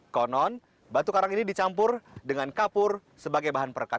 konon batu karang ini dicampur dengan kapur sebagai bahan perkat